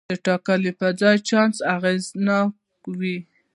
د ټاکنې پر ځای چانس اغېزناک وي.